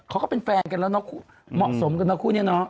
เขาก็เป็นแฟนกันแล้วเนอะมอบสมกันเนอะคู่นี้เนอะ